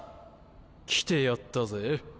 来てやったぜ。